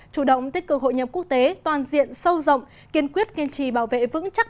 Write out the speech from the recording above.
chủ động tích cực hội nhập quốc tế toàn diện sâu rộng kiên quyết kiên trì bảo vệ vững chắc